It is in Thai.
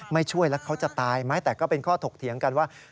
ไม่ช่วยแล้วเขาจะตายไหมแต่ก็เป็นข้อถกเถียงกันว่า